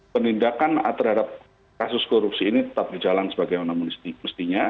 penindakan terhadap kasus korupsi ini tetap dijalankan sebagai onomunistik mestinya